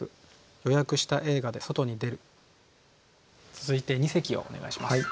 続いて二席をお願いします。